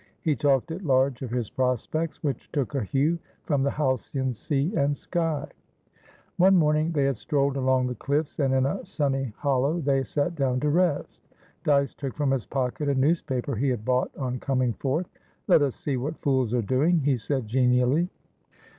He talked at large of his prospects, which took a hue from the halcyon sea and sky. One morning they had strolled along the cliffs, and in a sunny hollow they sat down to rest. Dyce took from his pocket a newspaper he had bought on coming forth. "Let us see what fools are doing," he said genially.